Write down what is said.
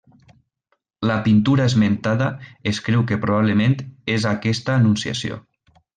La pintura esmentada es creu que probablement és aquesta anunciació.